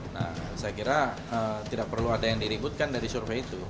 nah saya kira tidak perlu ada yang diributkan dari survei itu